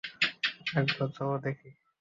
একবার দেখি চলো।